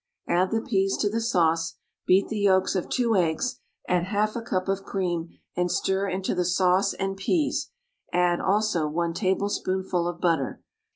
Add the peas to the sauce; beat the yolks of two eggs, add half a cup of cream, and stir into the sauce and peas; add, also, one tablespoonful of butter.